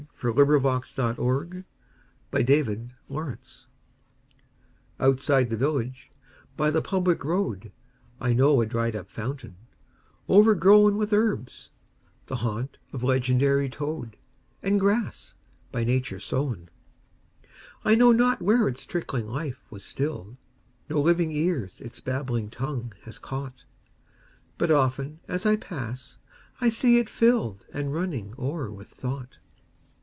Robert Leighton 1822–69 The Dried up Fountain OUTSIDE the village, by the public road,I know a dried up fountain, overgrownWith herbs, the haunt of legendary toad, And grass, by Nature sown.I know not where its trickling life was still'd; No living ears its babbling tongue has caught; But often, as I pass, I see it fill'dAnd running o'er with thought.